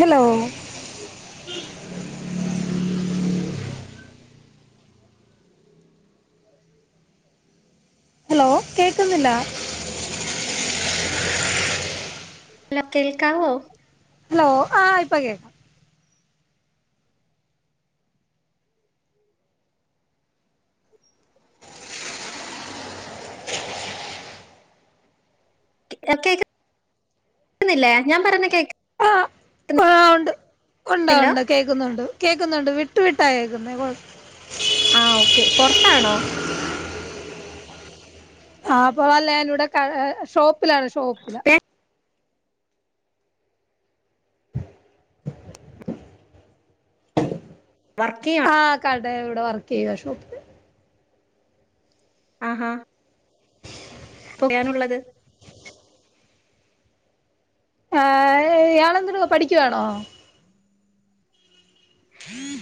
Hello [inaudible] hello കേൾക്കുന്നില്ല ഇല്ല കേൾക്കാവോ ഹലോ ആഹ് ഇപ്പ കേക്കാം കേക്കുന്നില്ലേ ഞാൻ പറേന്ന കേക്ക് ഒണ്ട് ഒണ്ട് കേക്കുന്നുണ്ട് കേക്കുന്നുണ്ട് വിട്ടു വിട്ടാ കേക്കുന്നേ ആഹ് ഓക്കെ പുറത്താണോ ആ അപ്പൊ അല്ലെ ഞാനിവിടെ ഷോപ്പിലാണ് ഷോപ്പില വർക്കയ്യ ആ കട ഇവടെ വർക്ക് ചെയ്യ ഷോ ആഹാ അഹ തുകാനുള്ളത് ആഹ് ഇയാളെന്ത് രുവാ പഠിക്കുവാണോ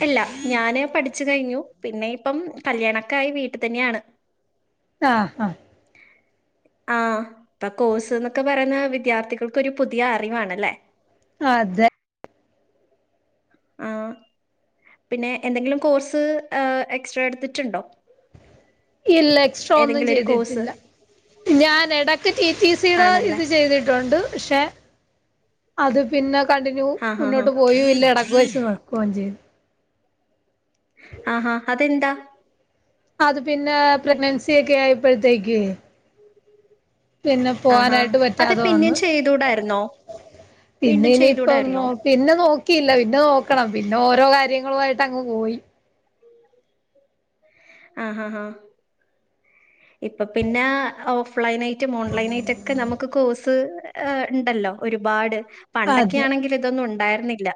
അല്ല ഞാന് പഠിച്ച് കഴിഞ്ഞു പിന്നെ ഇപ്പം കല്യാണക്കായി വീട്ടി തന്നെയാണ് ആഹ് ആഹ് ആഹ് ഇപ്പൊ കോഴ്സ് എന്നൊക്കെ പറയുന്ന വിദ്യാർത്ഥികൾക്കൊരു പുതിയ അറിവാണല്ലേ. അതെ ആഹ് പിന്നെ എന്തെങ്കിലും കോഴ്സ് എക്സ്ട്രാ എടുത്തിട്ടുണ്ടോ? ഇല്ല എക്സ്ട്രാ ഒന്നും ഏതെങ്കിലും ഒരു കോഴ്സ് ചെയ്തിട്ടില്ല ഞാൻ എടക്ക് ടി ടി സിയുടെ ആണല്ലേ ഇത് ചെയ്തിട്ടുണ്ട് പക്ഷെ അത് പിന്നെ കണ്ടിന്യൂ ആഹാ ഹാ മുന്നോട്ട് പോയുല്ല എടക്ക് വച്ച് നിക്കുവൊചെയ്തു. ആഹാ അതെന്താ അത് പിന്നെ പ്രഗ്നൻസി ഒക്കെ ആയപ്പോഴത്തേക്കേ പിന്നെ ആഹാ പോവാനായിട്ട് അത് പറ്റാതെ പിന്നെയും വന്ന് ചെയ്തുകൂടായിരുന്നോ പിന്നെ വീണ്ടും ഇനിയിപ്പൊ നോ ചെയ്തുകൂടായിരുന്നോ പിന്നെ നോക്കിയില്ല പിന്നെ നോക്കണം പിന്നെ ഓരോ കാര്യങ്ങളുവായിട്ട് അങ്ങ് പോയി ആഹഹാ ആഹ് ഇപ്പൊ പിന്നെ ഹൗ ഫ്ലൈനായിട്ടും ഓൺലൈനായിട്ടൊക്കെ നമുക്ക് കോഴ്സ് ഉണ്ടല്ലോ ഒരുപാട് അതെ പണ്ടൊക്കാണെങ്കിൽ ഇതൊന്നും ഉണ്ടായിരുന്നില്ല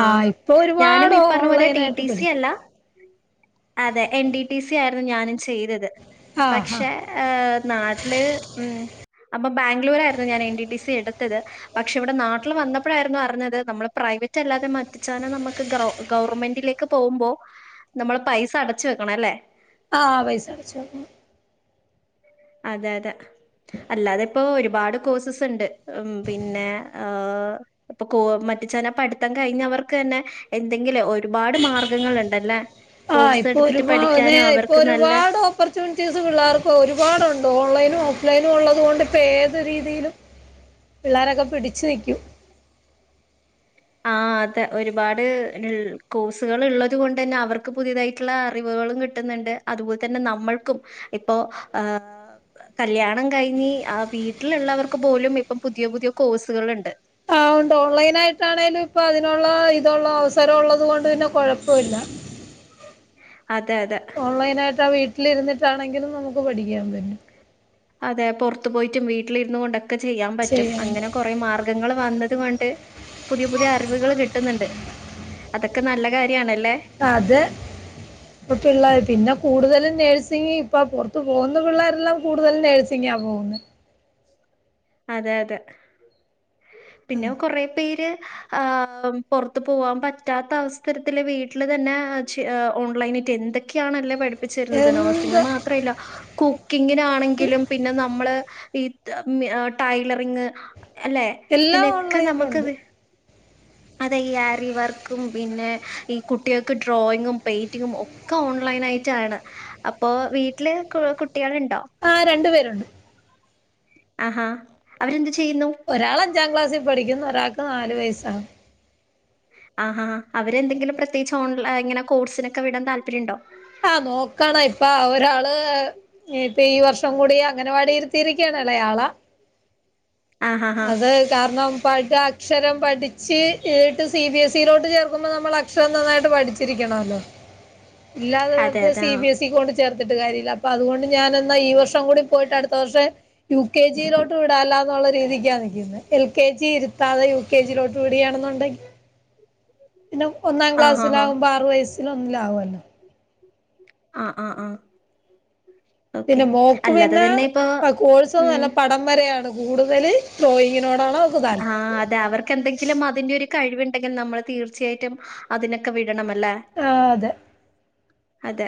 ആഹ് ഇപ്പൊ ഞാനും ഒരുപാട് ഈ പറഞ്ഞ പോലെ ഓൺലൈൻ ടി ആയിട്ട് ടി സി പഠിക്കും അല്ല അതെ എൻ ഡി ടി സി ആയിരുന്നു ഞാനും ചെയ്തത് ആഹ് പക്ഷെ ആഹ് ഏ നാട്ടില് ഉം അപ്പൊ ബാംഗ്ലൂരായിരുന്നു ഞാൻ എൻ ഡി ടി സി എടുത്തത് പക്ഷെ ഇവിടെ നാട്ടില് വന്നപ്പഴായിരുന്നു അറിഞ്ഞത് നമ്മള് പ്രൈവറ്റ് അല്ലാതെ പിച്ചാന നമ്മക്ക് ഗവർ ഗവർമെന്റിലേക്ക് പോകുമ്പോ നമ്മൾ പൈസ അടച്ച് വെക്കണം അല്ലേ ആ പൈസടച്ചോ [inaudible] അതെ അതെ അല്ലാതെ ഇപ്പോ ഒരുപാട് കോഴ്സസ് ഇണ്ട് ഉം പിന്നെ ഇപ്പൊ കോ മറ്റ ചന പഠ്ത്തം കഴിഞ്ഞവർക്കന്നെ എന്തെങ്കിലെ ഒരുപാട് മാർ ങ്ങളണ്ടല്ല ആഹ് കോഴ്സ് ഇപ്പൊ എടുത്തിട്ട് ഒരുപാ പഠിക്കാന നേ ഇപ്പൊ അവർക്ക് നല്ല ഒരുപാട് ഓപ്പർച്യൂണിറ്റീസ് പിള്ളേർക്ക് ഒരുപാടുണ്ട് ഓൺലൈനും ഓഫ്ലൈനും ഉള്ളതുകൊണ്ട് ഇപ്പോ ഏത് രീതിയിലും പിള്ളേരൊക്കെ പിടിച്ച് നിക്കും ആഹ് അതെ ഒരുപാട് കോഴ്സുകൾ ഉള്ളത് കൊണ്ടന്നെ അവർക്ക് പുതിയതായിട്ടുള്ള അറിവുകളും കി ന്ന്ണ്ട് അതുപോലെ തന്നെ നമ്മൾക്കും ഇപ്പോ ആഹ് കല്യാണം കഴിഞ്ഞ് ആഹ് വീട്ടിലുള്ളവർക്ക് പോലും ഇപ്പം പുതിയ പുതിയ കോഴ്സുകളുണ്ട് [inaudible] ഓൺ ലൈനായിട്ടാണെലും ഇപ്പൊ അതിനൊള്ള ഇതൊള്ള അവസരം ഉള്ളത് കൊണ്ട് പിന്നെ കൊഴപ്പൊല്ല അതെ അതെ. ഓൺലൈനായിട്ട് ആ വീട്ടില് ഇരുന്നിട്ടാണെങ്കിലും നമുക്ക് പഠിക്കാൻ പറ്റും. അതെ പൊർത്ത് പോയിറ്റും വീട്ടിലിര്ന്നുകൊണ്ടൊക്കെ ചെയ്യാം പറ്റും ചെയ്യാൻ അങ്ങനെ കൊറേ മാർഗങ്ങള് വന്നത് കൊണ്ട് പുതിയ പുതിയ അറിവ്കൾ കിട്ട്ന്ന്ണ്ട് അതക്കെ നല്ല കാര്യാണല്ലേ അത് ഇപ്പ പിള്ളേർ പിന്നെ കൂടുതലും നേഴ്സിംങ് ഇപ്പൾ പൊർത്ത് പോകുന്ന പിള്ളേരെല്ലാം കൂടുതലും നേഴ്സിങ്ങാണ് പോകുന്നത്. അതെ അതെ പിന്നെ കൊറെ പേര് ആഹ് പൊർത്ത് പോവാൻ പറ്റാത്ത അവസരത്തില് വീട്ടിൽ തന്നെ ചെ ഓൺലൈനി ട്ടെന്തൊക്കെയാണ്ണല്ലേ. [unintelligible] നഴ്സിംഗ് എന്ത് മാത്രല്ല കുക്കിങ്ങിനാണെങ്കിലും പിന്നെ നമ്മള് ഈ ടൈലറിങ് അല്ലെ എല്ലാം ഇതിനൊക്കെ നമുക്ക് ഓൺലൈനിലുണ്ട് അതെ ഈ ആരി വർക്കും പിന്നെ ഈ കുട്ടികൾക്ക് ഡ്രോയിങ്ങും, പെയിന്റിങ്ങും ഒ ക്ക ഓൺലൈൻ ആയിട്ടാണ് അപ്പൊ വീട്ടില് കു കുട്ടികളുണ്ടോ ആ രണ്ടു പേരുണ്ട് ആഹാ അവരെന്ത് ചെയ്യുന്നു ഒരാളഞ്ചാം ക്ലാസ്സിൽ പഠിക്കുന്നു ഒരാൾക്ക് നാല് വയസ്സാണ് ആഹാ ഹാ അവരെന്തെങ്കിലും പ്രത്യേകിച്ച് ഓൺലൈൻ ഇങ്ങനെ കോഴ്സിനൊക്കെ വിടാൻ താൽപ്പര്യോണ്ടോ ആ പ്പ നോക്കണം ഇപ്പ ആ ഒരാള് ഇപ്പ ഈ വർഷം കൂടി അങ്കണവാടിയിലിരുത്തിയിരിക്കയാണലെയാളെ ആഹാ ഹാ അത് കാരണം പ [unintelligible] ക്ഷരം പഠിച്ച് തിട്ട് സി ബി എസ് ഇയിലോട്ട് ചേർക്കുമ്പോൾ നമ്മൾ അക്ഷരം നന്നായിട്ട് പഠിച്ചിരിക്കണമല്ലോ. ഇല്ലാതെ അതെ വെർതെ അതെ സി ആ ബി എസ് ഇ കൊട് ചേർത്തിട്ട് കാര്യല്ല അപ്പൊ അതുകൊണ്ട് ഞാൻ എന്നാ ഈ വർഷം കൂടി പോയിട്ട് അട്ത്ത വർഷം യു കെ ജിയിലോട്ട് വിടാല്ല എന്നുള്ള രീതി റ്റാ നിക്ക്ണ എൽ കെ ജി ഇരുത്താതെ യു കെ ജിയിലോട്ട് വിടിയാണെന്നുണ്ടെങ്കി പിന്നെ ഒന്നാം ആഹാ ഹാ ക്ലാസ്സിലാകുമ്പോ ആറ് വയസ്സിലൊന്നിലാവല്ലോ ആഹ് ആഹ് ആഹ് പിന്നെ മോക്ക് പിന്നെ ആ കോഴ്സിനു ഉം നല്ല പടം ഇന്നലെയാണ് കൂടുതലെ ഡ്രോയിങ്ങിനോടാണവൾ ആ അതാ അവർക്കെന്തെങ്കിലും ഒരിക്കലും അതിന്റെരു കഴിവ്ണ്ടെങ്കിൽ നമ്മൾ തീർച്ചയായിട്ടും അതിനൊക്കെ വിടണ മല്ലേ അ അതെ അതെ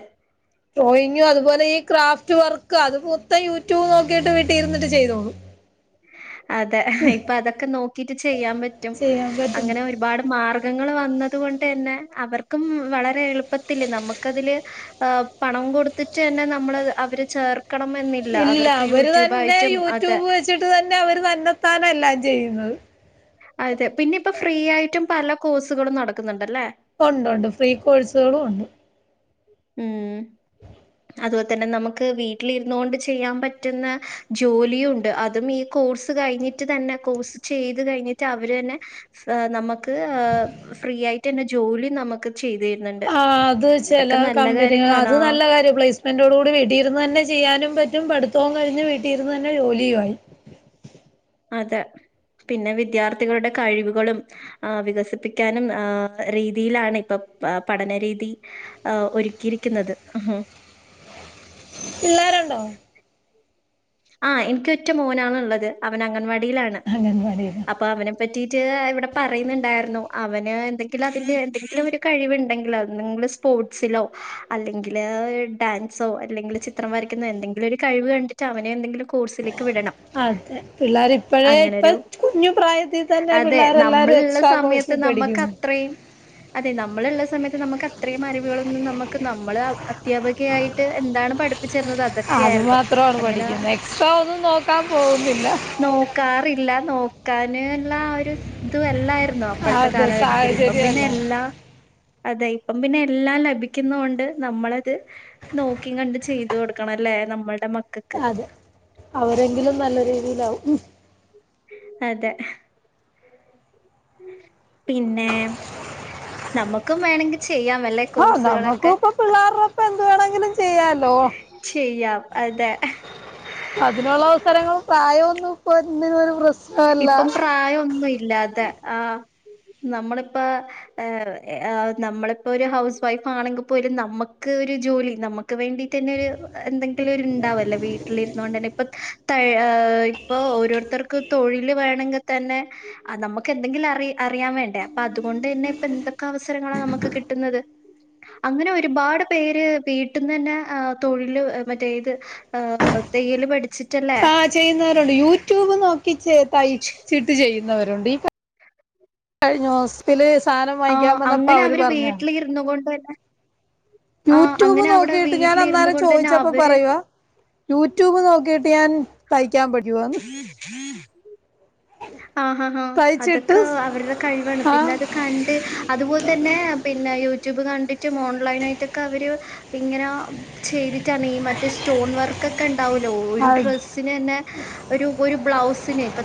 ഡ്രോയിങ്ങ് അതുപോലെ ഈ ക്രാഫ്റ്റ് വർക്ക് അത് മൊത്തം യൂട്യൂബ് നോക്കീട്ട് വീട്ടിരുന്നിട്ട് ചെയ്തോളും അതെ ഇപ്പ അതൊക്കെ നോക്കീട്ട് ചെയ്യാൻ പറ്റും ചെയ്യാൻ പറ്റും അങ്ങനെ ഒരുപാട് മാർക്ക് മൃഗങ്ങളു വന്നത് കൊണ്ടന്നെ അവർക്കുംമ് വളരെ എളുപ്പത്തിലെ നമുക്കതിലെ ആ പണം കൊടുത്തിട്ട് തന്നെ നമ്മളെ അവരെ ചേർക്ക് ക്കണമെന്നില്ല ഇല്ല അവർക്ക് യൂട്യൂബാ യിട്ടും അത് തു തന്നെ അവർ തന്നെത്താനെല്ലാം ചെയ്യുന്നത് അതെ പിന്നെ ഇപ്പം ഫ്രീ ആയിട്ടും പല കോഴ്സുകളും നടക്കുന്നുണ്ടല്ലേ ഒണ്ടൊണ്ട് ഫ്രീ കോഴ്സുകളും ഒണ്ട് ഉം അതോലതന്നെ നമുക്ക് വീട്ടിലിരുന്നുകൊണ്ട് ചെയ്യാൻ പറ്റുന്ന ജോലിയും ഉണ്ട് അതും ഈ കോഴ്സ് കഴിഞ്ഞിട്ട് സ്റ്റ് തന്നെ കോഴ്സ് ചെയ്ത് കഴിഞ്ഞിട്ട് അവരു തന്നെ സെ നമ്മ്ക്ക് ഇതേ ഫ്രീ ആയിട്ടന്നെ ജോലി നമുക്ക് ചെയ്തെരുന്നുണ്ട് ആ അത് ചെല കമ്പനി അത് നല്ല കാര്യാ പ്ലേസ്മെന്റ് ൻ്റോട്കൂടി വീട്ടിരുന്ന് തന്നെ ചെയ്യാനും പറ്റും പഠിത്തവും കഴിഞ്ഞ് വീട്ടിൽ ഇരുന്ന് തന്നെ ജോലീം ആയി അതെ പിന്നെ വിദ്യാർത്ഥികളുടെ കഴിവുകളും ആ വികസിപ്പിക്കാനും ആ രീതിയിലാണ് ഇപ്പ പഠനരീതി ആ ഒരുക്കിയിരിക്കുന്നത് പിള്ളാരൊണ്ടോ ആ എനിക്ക് ഒറ്റ മോനാണിള്ളത് അവൻ അംഗൻവാടിലാണ് അംഗൻവാടിയിന്ന് അപ്പ അവനെ പറ്റീട്ട് ഇവിടെ പറയുന്നുണ്ടായിരുന്നു അവന് എന്തെങ്കിലും അതിന് എന്തെങ്കിലും ഒരു കഴിവുണ്ടെങ്കിൽ അതി സ്പോർട്സിലോ അല്ലെങ്കിലെ ഡാൻസോ അല്ലെങ്കിൽ ചെ ത്ത്രം വരയ്ക്കുന്ന എന്തെങ്കിലും ഒരു കഴിവു കണ്ടി്ട്ടെ അവനെ എന്തങ്കിലും കോഴ്സിലേ ക്ക് വിടണം അതെ പിള്ളേർ ഇപ്പോഴേ ഇപ്പൊ അങ്ങനൊരു കുഞ്ഞു പ്രായത്തിൽ തന്നെ അതെ പിള്ളേരെല്ലാരും നമ്മള്ള്ള എക്സ്ട്രാ സമയത്ത് കോഴ്സിൽ പഠിക്കുന്നുണ്ട് നമ്മക്കത്രേം അതെ നമ്മളിള്ള സമയത്ത് നമുക്കത്രയും അറിവുകളൊന്നും നമുക്ക് നമ്മൾ അധ്യാപകയായിട്ട് എന്താണ് പഠിപ്പി പഠിപ്പിച്ചേരുന്നത് അതാ ആ അതു മാത്രാണ് പഠിക്കുന്നത് എക്സ്ട്രാ ഒന്നും നോക്കാൻ പോകുന്നില്ല നോക്കാറില്ല നോക്കാന് ഉള്ളആ ഒരു സ ഇതും എല്ലായിരുന്നോ അപ്പഴത്തെ അതെ കാലഘട്ടത്തിൽ ഇപ്പം പിന്നെ സാഹചര്യമല്ല എല്ലാം അതെ ഇപ്പം പിന്നെ എല്ലാം ലഭിക്കുന്നോണ്ട് നമ്മളത് നോക്കീം കണ്ടും ചെയ്തു കൊടുക്കണല്ലേ നമ്മടെ മക്കക്ക് അതെ അവരെങ്കിലും നല്ല രീതിയിലാവും അതെ പിന്നെ നമുക്കും വേണെങ്കിൽ ചെയ്യാം വല്ലെ ആ കോഴ്സുകളൊക്കെ നമുക്കും ഇപ്പൊ പിള്ളേരോടൊപ്പം എന്ത് വേണമെങ്കിലും ചെയ്യാലോ ചെയ്യാം അതെ [inaudible] അതിനൊള്ളവസരങ്ങളും പ്രായൊന്നും പ്പൊ തിന് ഒരു പ്രശ്നല്ല ഇപ്പം പ്രായോന്നും ഇല്ലാ തെ ആ നമ്മളിപ്പൊ ഏ ഏ നമ്മളിപ്പൊരു ഹൗസ് വൈഫ് ആണെങ്കിൽ പോലും നമുക്ക് ഒരു ജോലി നമുക്ക് നമ്മുക്ക് വേണ്ടിത്തന്നെരു എന്തെങ്കിലൊരുണ്ടാവല്ലോ വീട്ടിലിരുന്നൊണ്ടെ തന്നെ ഇപ്പം തഴ ഇപ്പ ഓരോരുത്തർക്ക് തൊഴില് വേണമെങ്കിൽ തന്നെ ആ നമ്മുക്ക് എന്തെങ്കിലും അറി അറിയാൻ വേണ്ടേ അപ്പൊ അതുകൊണ്ട് തന്നെ പ്പൊ എന്തൊക്കെ അവസരങ്ങളാ നമുക്ക് കിട്ടുന്നത് അങ്ങനെ ഒരുപാട് പേര് വീട്ടിന്ന് തന്നെ ആഹ് തൊഴില് മറ്റേ ഇത് ആഹ് തയ്യൽ പഠിച്ചിട്ടല്ലേ ആ ചെയ്യുന്നവരുണ്ട് യൂട്യൂബ് നോക്കി തയ്ച്ചിട്ട് ചെയ്യു ന്നവരുണ്ട് ഈ ക കഴിഞ്ഞു ഹോസ്പ്പിറ്റല് സാധനം വാങ്ങിക്കാൻ വന്നപ്പോ അവര് പറഞ്ഞെയാ ഇന്ന് കൊണ്ട് തന്നെ ആഹ് യൂട്യൂബ് അങ്ങനെ അവിടെ നോക്കിട്ട് ഞാൻ വീട്ടിലിരുന്നു അന്നേരം കൊണ്ട് തന്നെ ചോയിച്ചപ്പോ അവര് പറയുവാ യൂട്യൂബ് നോക്കിയിട്ട് ഞാൻ തയ്ക്കാൻ പറ്റുവോന്ന് ആഹ് ആഹ് തയ്ച്ചിട്ട് അതൊക്കെ അവരുടെ കഴിവാണ് പിന്നെ ആഹ് അത് കണ്ട് അതുപോലെ തന്നെ പിന്നെ യൂട്യൂബ് കണ്ടിട്ടും ഓൺലൈൻ ആയിട്ടൊക്കെ അവര് ഇങ്ങനെ ചെയ്തിട്ടാണ് ഈ മറ്റ് സ്റ്റോൺ വർക്ക് ക്കൊക്കെ ഉണ്ടാവുല്ലോ ഒരു അത് ഡ്രസ്സിന് തന്നെ ഒരു ഒരു ബ്ലൗസിന് ഇപ്പൊ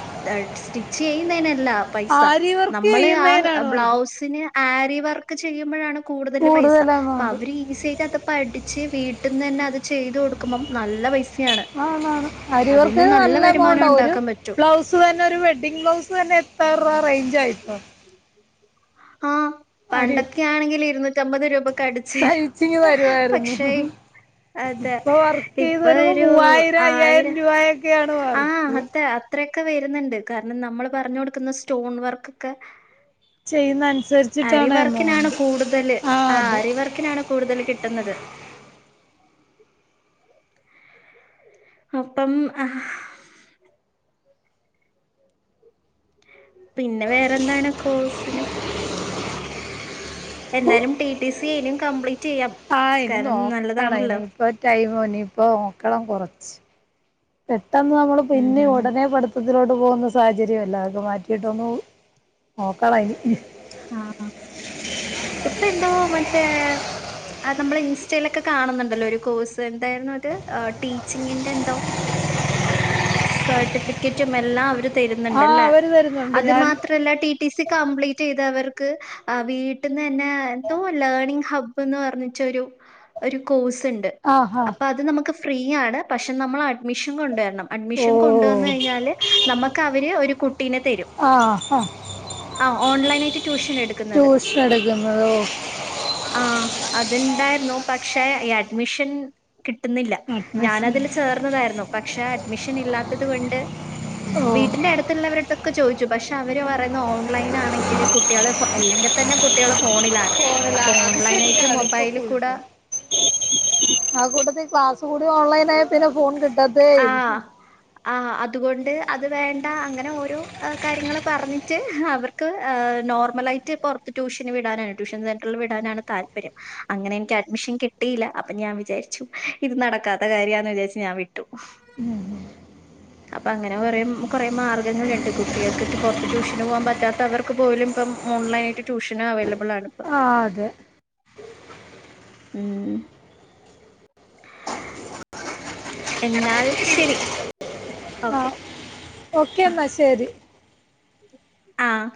സ്റ്റിച്ച് ചെയ്യുന്നേന് അല്ല പൈസ ആരി വർക്ക് നമ്മള് ആഹ് ചെയ്യുന്നതിനാണ് വർക്ക് ബ്ലൗസിന് ആരി വർക്ക് ചെയ്യുമ്പോഴാണ് കൂടുതൽ പൈസ അപ്പൊ അവര് ഈസി ആയി അത് പഠിച്ച് വീട്ടിൽ നിന്ന് തന്നെ അത് ചെയ്ത് കൊടുക്കുമ്പം നല്ല പൈസ ആണ ണ് ആരിവർക്ക് ന് നല്ല വരുമാനം എമൗണ്ടാ ഒരു ഉണ്ടാക്കാൻ പറ്റും ബ്ലൗസ് ബ്ലൗസ് തന്നെ ഒരു വെഡ്ഡിംഗ് ബ്ലൗസ് തന്നെ എത്താറ റേഞ്ച് ആയിട്ടോ ആഹ് അരി പണ്ടൊക്കെ ആണെങ്കിൽ ഇരുന്നൂറ്റ് അമ്പത് രൂപക്ക് അടിച്ച് തരും തയ്ച്ചിങ്ങ് തരുവായിരുന്നു പക്ഷേ അതെ ഇപ്പൊ വർക്ക് ചെയ്ത് ഇപ്പൊ വരുമ്പോ ഒരു മൂവായിരം അയ്യായിരം ആയിരം രൂപയൊക്കെയാണ് ആഹ് വർക്ക് അതെ അത്ര അത്രയൊക്കെ വരുന്നുണ്ട് കാരണം നമ്മൾ പറഞ്ഞു കൊടുക്കുന്ന സ്റ്റോൺ വർക്കൊക്കെ ചെയ്യുന്നതനുസരി ആരിവർക്കിനാണ് കൂടുതല് ആഹ് അതെ ആരിവർക്കിനാണ് കൂടുതല് കിട്ടുന്നത് അപ്പം ആഹ് പിന്നെ വേറെന്താണ് കോഴ്സിന് എന്തായാലും ടി ടി സി ആയാലും കംപ്ലീറ്റ് ചെയ്യാം കാരണം നല്ലതാണല്ലോ ഇപ്പം ടൈമോ ഇനിയിപ്പം മക്കളും കുറച്ച് പെട്ടെന്ന് നമ്മൾ ഉം പിന്നെ ഉം ഉം ഉടനെ പടു പ്പത്തിലോട്ട് പോകുന്ന സാഹചര്യം അല്ല അതൊക്കെ മാറ്റിയിട്ടൊന്ന് നോക്കണയ്ന് ആഹ് ഇപ്പെന്തോ മറ്റേ അത് നമ്മൾ ഇൻസ്റ്റയിലൊക്കെ കാണുന്നുണ്ടല്ലോ ഒരു കോഴ്സ് എന്തായിരുന്നു അത് ആഹ് ടീച്ചിങ്ങിന്റെ എന്തോ സർട്ടിഫിക്കറ്റും എല്ലാം അവര് ആഹ് തരുന്നുണ്ടല്ലേ അവര് തരുന്നുണ്ട് അത് ഞാൻ മാത്രമല്ല T T T C complete ചെയ്തവർക്ക് വീട്ടിൽ ന്നന്നെ എന്തോ ലേർണിംഗ് ഹബ് എന്ന് പറഞ്ഞിട്ട് ഒരു ഒരു കോഴ്സ് ഉണ്ട് ആഹാ അപ്പൊ അത് നമുക്ക് ഫ്രീ ആണ് പക്ഷെ നമ്മള് അഡ്മിഷൻ കൊണ്ടുവരണം ഓ അഡ്മിഷൻ കൊണ്ടുവന്ന് കഴിഞ്ഞാല് നമുക്ക് അവര് ഒരു കുട്ടീനെ തരും ആഹ് ആഹ് ആഹ് ഓൺലൈൻ ആയിട്ട് ട്യൂഷൻ എടുക്കുന്നത് ട്യൂഷൻ എടുക്കുന്നത് ഓ ആഹ് അതുണ്ടായിരുന്നു പക്ഷെ ഈ അഡ്മിഷൻ കിട്ടുന്നില്ല അഡ്മിഷൻ ഞാനതില് ചേർന്നതായിരുന്നു പക്ഷെ അഡ്മിഷൻ ഇല്ലാത്തത് കൊണ്ട് ഓ വീട്ടിന്റെ അടു അട്ത്ത്ള്ളവര്ട്ത്തൊക്കെ ചോദിച്ചു പക്ഷെ അവര് പറയുന്നു ഓൺലൈൻ ആണെങ്കിൽ കുട്ടികൾ അല്ലെങ്കിൽ തന്നെ കുട്ടികൾ ഫോണിലാണ്. അപ്പൊ ഫോണിലാണ് അത് ഓൺലൈനയിട്ട് ശരിയാണ് ഇപ്പൊ മൊബൈലിൽ ഫുൾ കൂടെ ടൈം ആ കൂട്ടത്തിൽ ക്ലാസ് കൂടി ഓൺലൈൻ ആയാ പിന്നെ ഫോൺ കിട്ടത്തേയി ആഹ് ആഹ് അതുകൊണ്ട് അത് വേണ്ട അങ്ങനെ ഓരോ കാര്യങ്ങള് പറഞ്ഞിട്ട് അവർ ക്ക് നോർമലായിട്ട് പുറത്ത് ട്യൂഷന് വിടാനാണ് ട്യൂഷൻ സെന്ററിൽ വിടാനാണ് താല്പര്യം അങ്ങനെ എനിക്ക് അഡ്മിഷൻ കിട്ടിയില്ല അപ്പൊ ഞാൻ വിചാരിച്ചു ഇത് നടക്കാത്ത കാര്യാമാന്ന് വിചാരിച്ചു ഞാൻ വി കിട്ടും ഉം അപ്പൊ അങ്ങനെ കുറേ കുറേ മാർഗ്ഗങ്ങളുണ്ട് കുട്ടികൾക്ക് പുറത്ത് ട്യൂഷന് പോകാൻ പറ്റാത്തവർക്ക് പോലും ഇപ്പം ഓൺലൈൻ ആയിട്ട് ട്യൂഷന് അവൈലബിൾ ആണ് ഇപ്പം ആഹ് അതെ ഉം എന്നാൽ ശരി ഓക്കെ. ഓക്കെന്നാ ശരി. ആഹ്